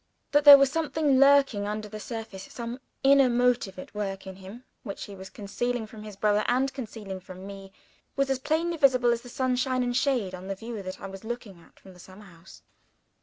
That there was something lurking under the surface, some inner motive at work in him which he was concealing from his brother and concealing from me, was as plainly visible as the sunshine and shade on the view that I was looking at from the summer house.